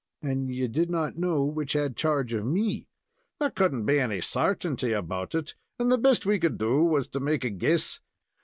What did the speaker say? "And you did not know which had charge of me?" "There couldn't be any sartinty about it, and the best we could do was to make a guess.